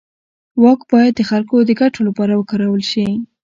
واک باید د خلکو د ګټو لپاره وکارول شي.